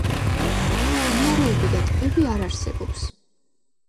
მდინარეები და ტბები არ არსებობს.